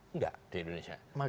enggak di indonesia